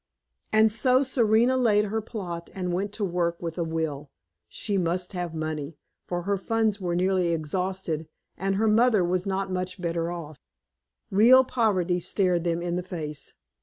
And so Serena laid her plot, and went to work with a will. She must have money, for her funds were nearly exhausted, and her mother was not much better off. Real poverty stared them in the face.